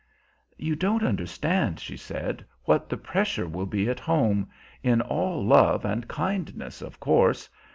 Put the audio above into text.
"You don't understand," she said, "what the pressure will be at home in all love and kindness, of course.